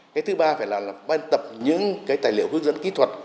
cái thứ ba phải là ban tập những cái tài liệu hướng dẫn kỹ thuật